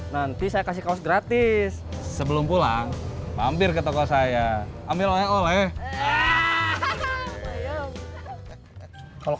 nanti saya kasih kaos gratis sebelum pulang mampir ke toko saya ambil oleh oleh